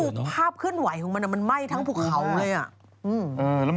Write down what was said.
คือภาพเคลื่อนไหวของมันมันไหม้ทั้งภูเขาเลยอ่ะ